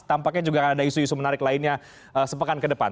tampaknya juga akan ada isu isu menarik lainnya sepekan ke depan